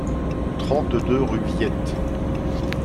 trente-deux rue Viette